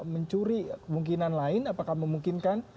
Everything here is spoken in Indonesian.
mencuri kemungkinan lain apakah memungkinkan